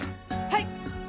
はい！